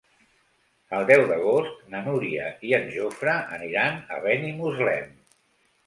El deu d'agost na Núria i en Jofre aniran a Benimuslem.